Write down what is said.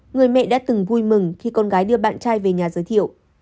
người mẹ đã từng vui mừng khi con gái đưa bạn trai về nhà giới thiệu